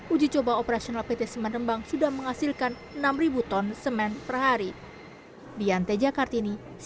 uji coba operasional pt semen rembang sudah menghasilkan enam ton semen per hari